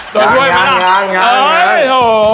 โดนช่วยไหมล่ะโอ้โฮพึ่งเริ่มยัง